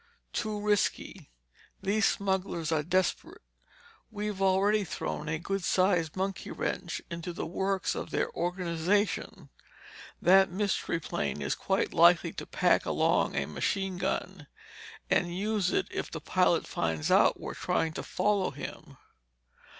"Too risky. These smugglers are desperate. We've already thrown a good sized monkey wrench into the works of their organization. That Mystery Plane is quite likely to pack along a machine gun—and use it if the pilot finds out we're trying to follow him."